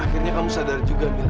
akhirnya kamu sadar juga gitu